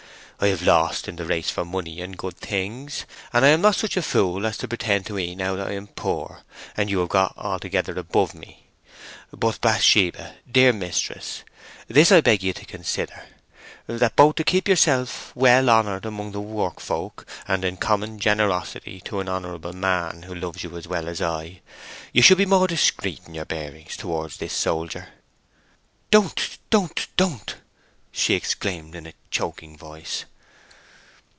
I have lost in the race for money and good things, and I am not such a fool as to pretend to 'ee now I am poor, and you have got altogether above me. But Bathsheba, dear mistress, this I beg you to consider—that, both to keep yourself well honoured among the workfolk, and in common generosity to an honourable man who loves you as well as I, you should be more discreet in your bearing towards this soldier." "Don't, don't, don't!" she exclaimed, in a choking voice.